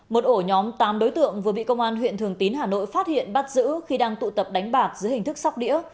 một ổ nhóm tám đối tượng vừa bị công an huyện thường tín hà nội phát hiện bắt giữ khi đang tụ tập đánh bạc dưới hình thức sóc đĩa